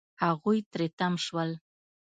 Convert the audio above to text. هغوی تری تم شول.